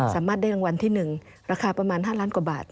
สามารถได้รางวัลที่๑ราคาประมาณ๕ล้านกว่าบาท